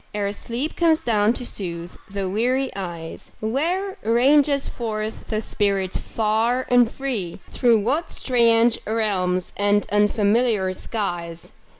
Ere sleep comes down to soothe the weary eyes, Where ranges forth the spirit far and free? Through what strange realms and unfamiliar skies.